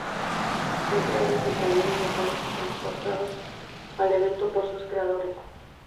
Son creados en talleres locales y transportados al evento por sus creadores.